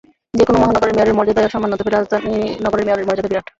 যেকোনো মহানগরের মেয়রের মর্যাদাই অসামান্য, তবে রাজধানী নগরের মেয়রের মর্যাদা বিরাট।